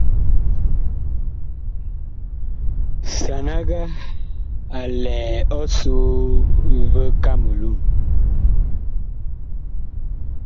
Sanaga a lɛ ɔsoo vi Kamelun.